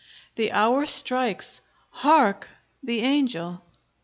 The hour strikes. Hark! the angel!